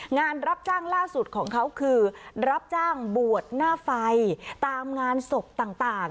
งานรับจ้างล่าสุดของเขาคือรับจ้างบวชหน้าไฟตามงานศพต่าง